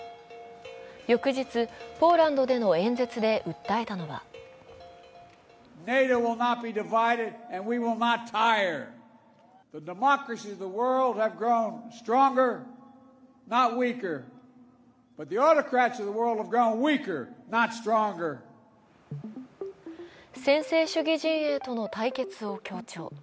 翌日、ポーランドでの演説で訴えたのは専制主義陣営との対決を強調。